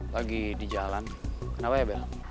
lagi di jalan kenapa ya bel